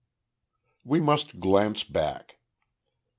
We must glance back.